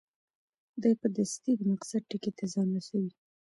دی په دستي د مقصد ټکي ته ځان رسوي.